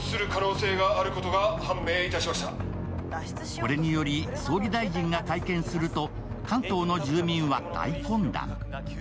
これにより総理大臣が会見すると関東の住民は大混乱。